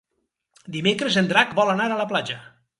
Dimecres en Drac vol anar a la platja.